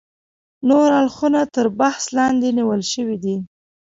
نور اړخونه تر بحث لاندې نیول شوي دي.